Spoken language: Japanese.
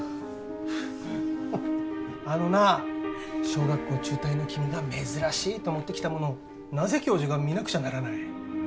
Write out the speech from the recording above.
あのなあ小学校中退の君が珍しいと持ってきたものをなぜ教授が見なくちゃならない？